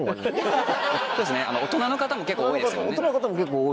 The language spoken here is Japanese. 大人の方も結構多いですよね。